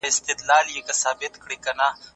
نوي میتودونه نه ردول کېږي.